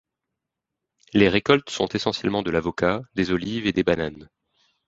Les récoltent sont essentiellement de l'avocat, des olives et des bananes.